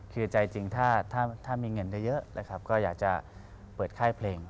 คือใจจริงถ้ามีเงินเยอะนะครับก็อยากจะเปิดค่ายเพลง